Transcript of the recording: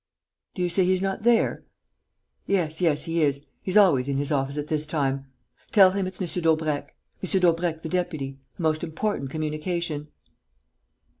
Do you say he's not there?... Yes, yes, he is: he's always in his office at this time.... Tell him it's M. Daubrecq.... M. Daubrecq the deputy ... a most important communication."